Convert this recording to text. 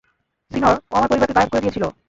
সিনর, ও আমার পরিবারকে গায়েব করে দিয়েছিল।